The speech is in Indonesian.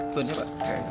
tuh ini pak